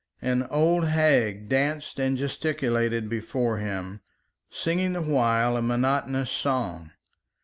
An old hag danced and gesticulated before him, singing the while a monotonous song.